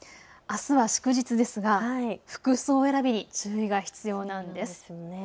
あすは祝日ですが服装選びに注意が必要なんです。